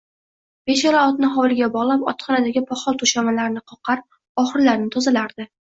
Beshala otni hovliga bog`lab, otxonadagi poxol to`shamalarni qoqar, oxurlarni tozalardi